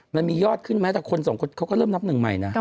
มันมียอดขึ้นไหมแต่คนสองคนเขาก็เริ่มนับหนึ่งใหม่นะ